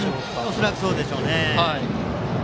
恐らくそうでしょうね。